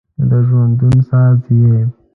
• ته د ژوندون ساز یې.